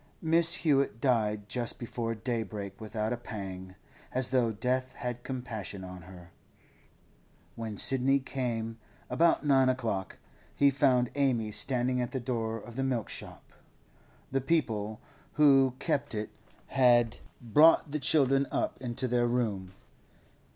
Mrs. Hewett died just before daybreak without a pang, as though death had compassion on her. When Sidney came, about nine o'clock, he found Amy standing at the door of the milk shop; the people who kept it had brought the children up into their room.